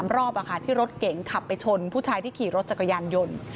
รอบที่รถเก๋งขับไปชนผู้ชายที่ขี่รถจักรยานยนต์